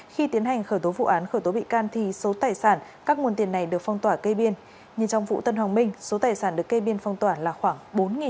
khi tiến hành khởi tố vụ án khởi tố bị can thì số tài sản các nguồn tiền này được phong tỏa kê biên nhưng trong vụ tân hoàng minh số tài sản được cây biên phong tỏa là khoảng